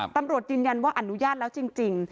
ตำรวจยืนยันว่าอนุญาตแล้วจริง